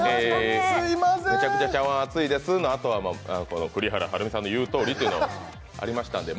「めちゃくちゃ茶碗熱いです」のあとは「栗原はるみさんの言うとおり」というのがありましたので。